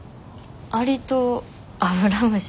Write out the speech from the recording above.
アリとアブラムシ？